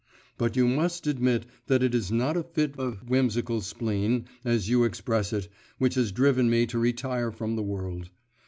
But you must admit that it is not a fit of whimsical spleen, as you express it, which has driven me to retire from the world.